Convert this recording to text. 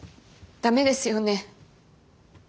駄目ですよね。